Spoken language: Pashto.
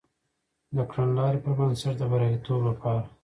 د کړنلاري پر بنسټ د بریالیتوب لپاره